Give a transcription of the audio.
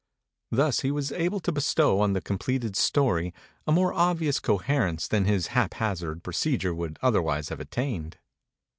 Thus he was en abled to bestow on the completed story a more obvious coherence than his haphazard proce dure would otherwise have attained.